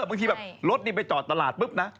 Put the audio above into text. บางทีแบบรถนี่ไปจอดตลาดปุ๊บนะ